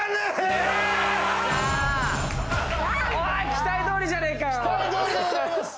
期待どおりじゃねえかよ！